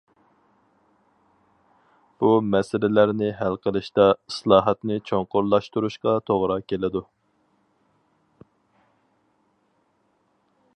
بۇ مەسىلىلەرنى ھەل قىلىشتا ئىسلاھاتنى چوڭقۇرلاشتۇرۇشقا توغرا كېلىدۇ.